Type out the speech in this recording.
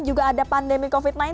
juga ada pandemi covid sembilan belas